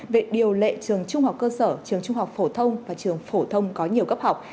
về điều lệ trường trung học cơ sở trường trung học phổ thông và trường phổ thông có nhiều cấp học